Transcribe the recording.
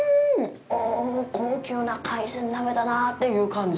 あぁ、高級な海鮮鍋だなぁという感じ！